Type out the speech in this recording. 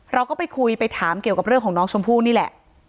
เราก็ไปคุยไปถามเกี่ยวกับเรื่องของน้องชมพู่นี่แหละ